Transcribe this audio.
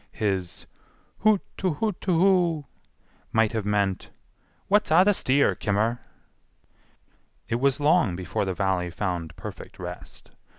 His "hoot too hoot too whoo" might have meant, "what's a' the steer, kimmer?" It was long before the Valley found perfect rest.